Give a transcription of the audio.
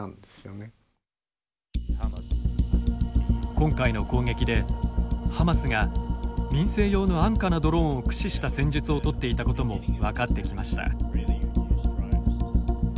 今回の攻撃でハマスが民生用の安価なドローンを駆使した戦術をとっていたことも分かってきました。